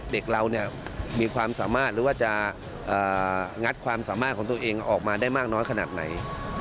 เด็กเรามีความสามารถหรือว่าจะงัดความสามารถของตัวเองออกมาได้มากน้อยขนาดไหน